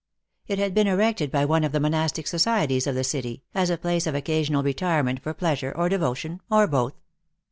It had been erected by one of the monastic societies of the city, as a place of occasional retirement for pleasure, or devotion, or both.